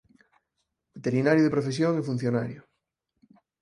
Veterinario de profesión e funcionario.